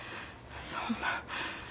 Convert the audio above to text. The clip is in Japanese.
そんな。